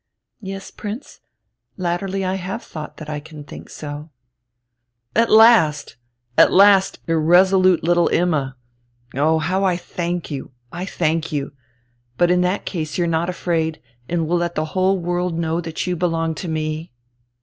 "Yes, Prince; latterly I have thought that I can think so." "At last, at last, irresolute little Imma! Oh, how I thank you, I thank you! But in that case you're not afraid, and will let the whole world know that you belong to me?"